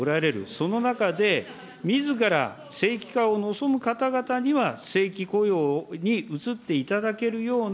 その中で、みずから正規化を望む方々には正規雇用に移っていただけるような